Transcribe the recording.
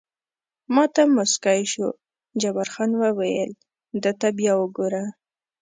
ما ته موسکی شو، جبار خان وویل: ده ته بیا وګوره.